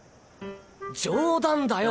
冗談だよ